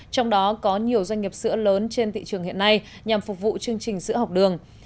trong đó có nhiều doanh nghiệp sữa lớn trên thị trường hiện nay nhằm phục vụ chương trình sữa học đường